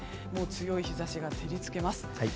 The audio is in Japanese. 強い日差しが照り付けます。